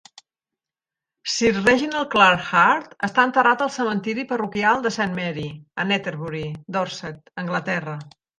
Sir Reginald Clare Hart està enterrat al cementiri parroquial de Saint Mary, a Netherbury, Dorset, Anglaterra.